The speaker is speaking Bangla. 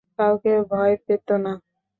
কাউকে ভয় পেত না।